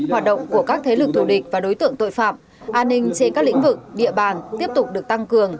hoạt động của các thế lực thù địch và đối tượng tội phạm an ninh trên các lĩnh vực địa bàn tiếp tục được tăng cường